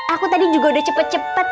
aku tadi juga udah cepet cepet